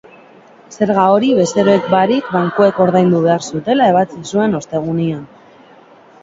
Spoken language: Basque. Zerga hori bezeroek barik bankuek ordaindu behar zutela ebatzi zuen ostegunean.